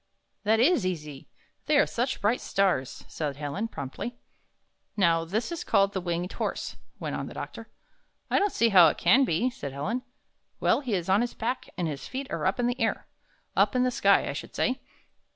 "That is easy; they are such bright stars," said Helen, promptly. 51 ''Now, this is called the Winged Horse," went on the doctor. ''I don't see how it can be," said Helen. ''Well, he is on his back, and his feet are up in the air — up in the sky, I should say."